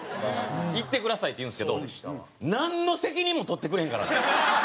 「いってください」って言うんですけどなんの責任も取ってくれへんからな。